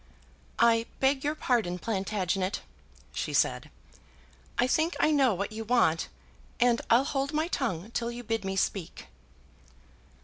"I beg your pardon, Plantagenet," she said. "I think I know what you want, and I'll hold my tongue till you bid me speak."